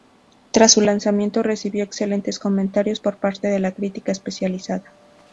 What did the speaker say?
Tras su lanzamiento recibió excelentes comentarios por parte de la crítica especializada.